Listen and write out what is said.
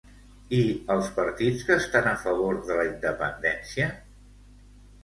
I els partits que estan a favor de la independència?